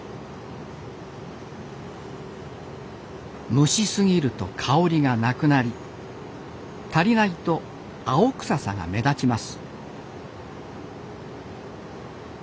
蒸しすぎると香りがなくなり足りないと青臭さが目立ちます